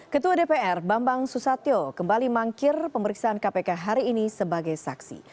ketua dpr bambang susatyo kembali mangkir pemeriksaan kpk hari ini sebagai saksi